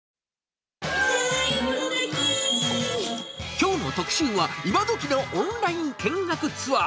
きょうの特集は、イマドキのオンライン見学ツアー。